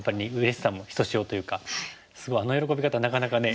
すごいあの喜び方はなかなかね。